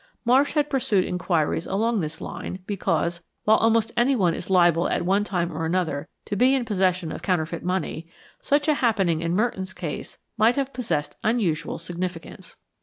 Marsh had pursued inquiries along this line, because, while almost anyone is liable at one time or another, to be in possession of counterfeit money, such a happening in Merton's case might have possessed unusual significance.